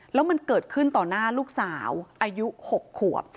แล้วมันเกิดขึ้นต่อหน้าลูกสาวอายุ๖ขวบ